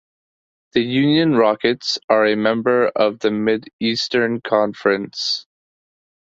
The Union Rockets are a member of the Mid-Eastern Conference.